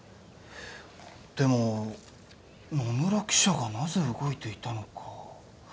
でも野村記者がなぜ動いていたのか？